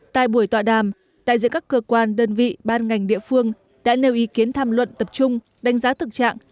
tại buổi tọa đàm đại diện các cơ quan đơn vị ban ngành địa phương đã nêu ý kiến tham luận tập trung đánh giá thực trạng